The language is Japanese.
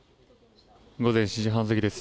午前７時半過ぎです。